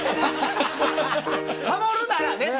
ハモるならね。